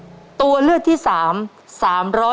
และตัวเลือกที่สี่๓๓๕ตารางกิโลเมตร